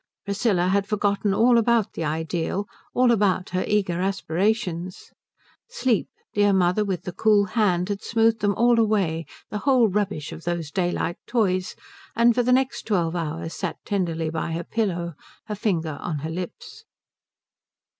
Priscilla had forgotten all about the Ideal, all about her eager aspirations. Sleep, dear Mother with the cool hand, had smoothed them all away, the whole rubbish of those daylight toys, and for the next twelve hours sat tenderly by her pillow, her finger on her lips.